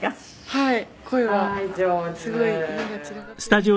はい。